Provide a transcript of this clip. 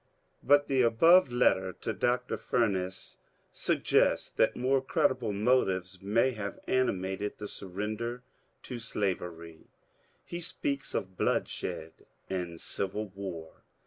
But the above letter to Dr. Furness suggests that more creditable mo tives may have animated the surrender to slavery. He speaks of " bloodshed and civil war."